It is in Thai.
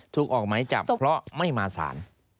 ถูกออกหมายจับเพราะไม่มาสาร